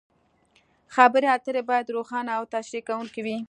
خبرې اترې باید روښانه او تشریح کوونکې وي.